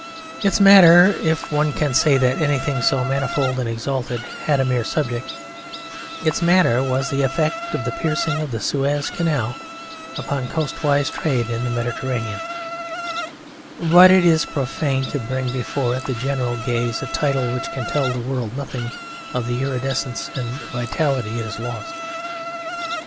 Its matter if one can say that anything so manifold and exalted had a mere subject its matter was the effect of the piercing of the Suez Canal upon coastwise trade in the Mediterranean, but it is profane to bring before the general gaze a title which can tell the world nothing of the iridescence and vitality it has lost.